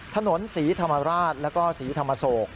ถนนศรีธรรมราชแล้วก็ศรีธรรมโศก